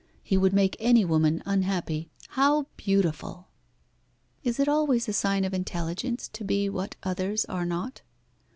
He would make any woman unhappy. How beautiful!" "Is it always a sign of intelligence to be what others are not?"